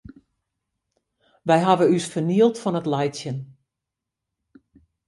Wy hawwe ús fernield fan it laitsjen.